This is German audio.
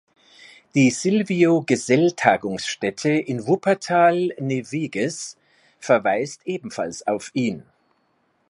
Die "Silvio-Gesell-Tagungsstätte" in Wuppertal-Neviges verweist ebenfalls auf ihn.